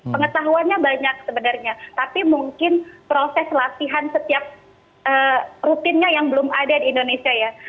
pengetahuannya banyak sebenarnya tapi mungkin proses latihan setiap rutinnya yang belum ada di indonesia ya